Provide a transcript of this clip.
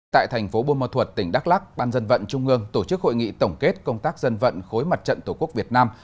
tại thành phố bô ma thuật tỉnh đắk lắc ban dân vận trung ương tổ chức hội nghị tổng kết công tác dân vận khối mặt trận tổ quốc việt nam